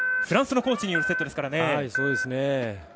フランスのコーチによるセットですからね。